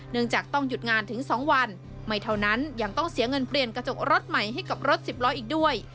จากต้องหยุดงานถึง๒วันไม่เท่านั้นยังต้องเสียเงินเปลี่ยนกระจกรถใหม่ให้กับรถสิบล้ออีกด้วย